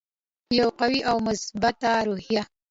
یوه قوي او مثبته روحیه.